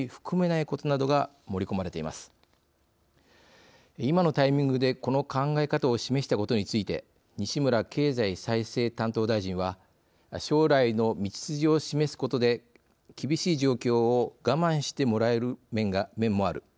いまのタイミングでこの考え方を示したことについて西村経済再生担当大臣は「将来の道筋を示すことで厳しい状況を我慢してもらえる面もある。